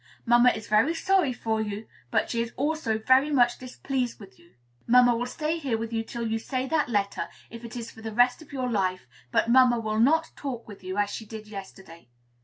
Mamma is very sorry for you, but she is also very much displeased with you. Mamma will stay here with you till you say that letter, if it is for the rest of your life; but mamma will not talk with you, as she did yesterday.